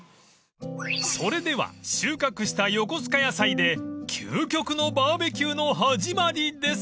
［それでは収穫したよこすか野菜で究極のバーベキューの始まりです］